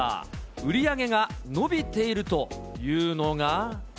売り上げが伸びているというのが。